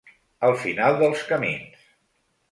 Al final dels camins.